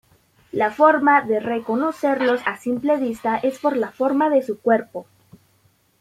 La forma de reconocerlos a simple vista es por la forma de su cuerpo.